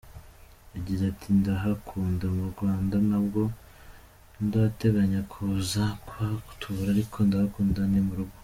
Yagize ati “Ndahakunda mu Rwanda, ntabwo ndateganya kuza kuhatura ariko ndahakunda, ni mu rugo.